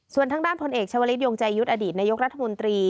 ส่วนทางด้านพลเอกชาวลิศยงใจยุทธ์อดีตนายกรัฐมนตรี